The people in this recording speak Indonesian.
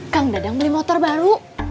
kang dadang beli motor baru